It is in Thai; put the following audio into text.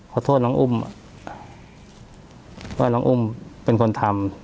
โทษน้องอุ้มว่าน้องอุ้มเป็นคนทำ